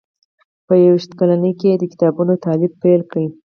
په یو ویشت کلنۍ کې یې د کتابونو تالیف پیل کړ.